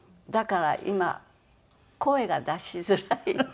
だから今声が出しづらいの。